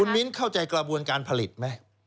มิ้นเข้าใจกระบวนการผลิตไหม